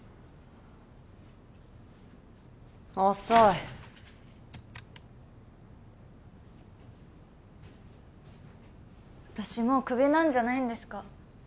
遅い私もうクビなんじゃないんですか？